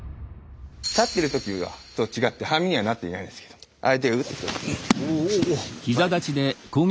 立ってる時とは違って半身にはなっていないんですけど相手が前に出ます。